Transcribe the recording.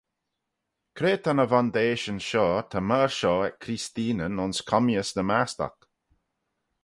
Cre ta ny vondeishyn shoh ta myr shoh ec Creesteenyn ayns commeeys ny mast'oc?